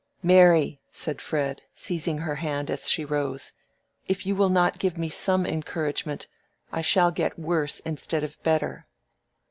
"Mary," said Fred, seizing her hand as she rose; "if you will not give me some encouragement, I shall get worse instead of better."